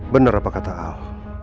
bener apa kata al